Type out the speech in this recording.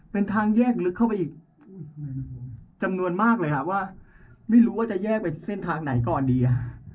เป็นทางแยกลึกเข้าไปอีกจำนวนมากเลยค่ะว่าไม่รู้ว่าจะแยกไปเส้นทางไหนก่อนดีอ่ะ